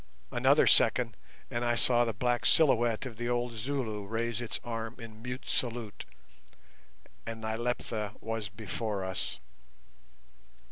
Another second and I saw the black silhouette of the old Zulu raise its arm in mute salute, and Nyleptha was before us.